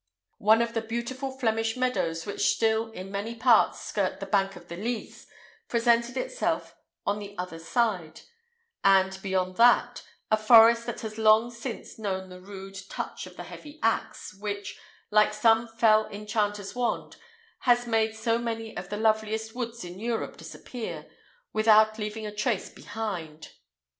One of the beautiful Flemish meadows, which still in many parts skirt the banks of the Lys, presented itself on the other side; and beyond that, a forest that has long since known the rude touch of the heavy axe, which, like some fell enchanter's wand, has made so many of the loveliest woods in Europe disappear, without leaving a trace behind.